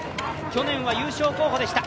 去年は優勝候補でした。